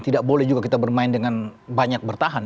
tidak boleh juga kita bermain dengan banyak bertahan